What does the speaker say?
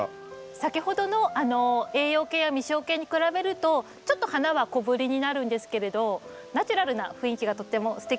先ほどの栄養系や実生系に比べるとちょっと花は小ぶりになるんですけれどナチュラルな雰囲気がとってもすてきですよね。